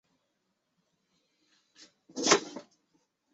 上层每面均塑有千佛或菩萨。